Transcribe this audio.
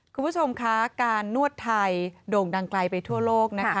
คุณผู้ชมคะการนวดไทยโด่งดังไกลไปทั่วโลกนะคะ